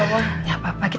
wah mama cantik banget